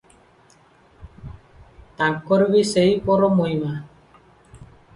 ତାଙ୍କର ବି ସେହିପର ମହିମା ।